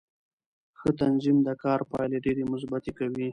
ښه تنظیم د کار پایلې ډېرې مثبتې کوي